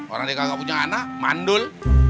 orang yang gak punya anak mandul